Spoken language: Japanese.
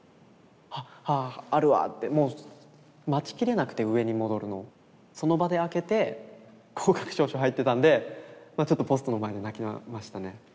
「あっあああるわ」ってもう待ちきれなくて上に戻るのその場で開けて合格証書入ってたんでまあちょっとポストの前で泣きましたね。